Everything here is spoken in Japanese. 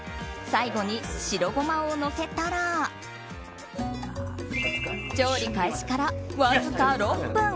最後に白ゴマをのせたら調理開始からわずか６分。